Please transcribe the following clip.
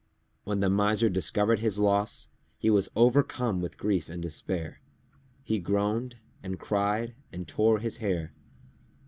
When the Miser discovered his loss, he was overcome with grief and despair. He groaned and cried and tore his hair.